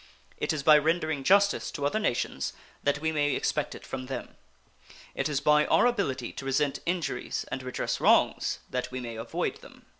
It is by rendering justice to other nations that we may expect it from them. It is by our ability to resent injuries and redress wrongs that we may avoid them.